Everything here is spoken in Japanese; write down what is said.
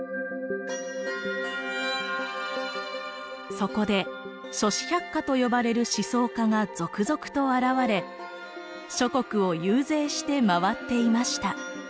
そこで「諸子百家」と呼ばれる思想家が続々と現れ諸国を遊説して回っていました。